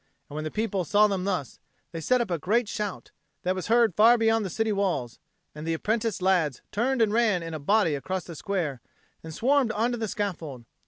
And when the people saw them thus, they set up a great shout, that was heard far beyond the city walls; and the apprenticed lads turned and ran in a body across the square, and swarmed on to the scaffold.